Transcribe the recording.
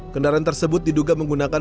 kendaraan tersebut diduga menggunakan